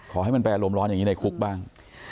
ขอให้มันไปอารมณ์ร้อนอย่างนี้ในคุกบ้าง